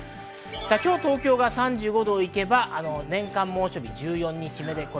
今日、東京が３５度を行けば年間猛暑日１４日目。